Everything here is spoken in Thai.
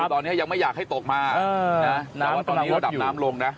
ตอนนี้ยังไม่อยากให้ตกมาน้ำตอนนี้ระดับน้ำลงนะ